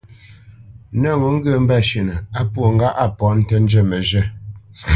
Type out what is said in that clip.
Nə̂t ŋo ŋgyə mbə́ shʉ́ʼnə á pwô ŋgâʼ á mbomə̄ nə́ njə məzhə̂.